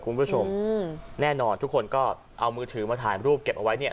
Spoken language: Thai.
คุณผู้ชมอืมแน่นอนทุกคนก็เอามือถือมาถ่ายรูปเก็บเอาไว้เนี่ย